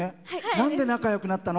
なんで仲よくなったの？